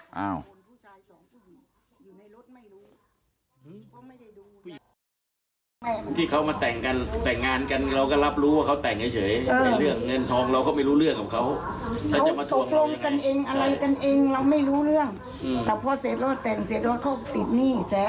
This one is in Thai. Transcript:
เราจะไม่ขายถอนที่นา